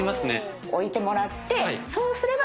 置いてもらって。